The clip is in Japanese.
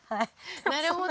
なるほど。